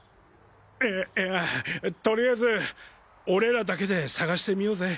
いいやとりあえず俺らだけで探してみようぜ？